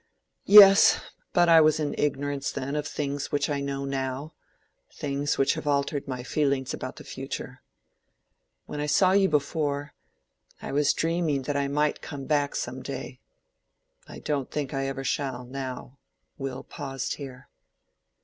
"Yes; but I was in ignorance then of things which I know now—things which have altered my feelings about the future. When I saw you before, I was dreaming that I might come back some day. I don't think I ever shall—now." Will paused here.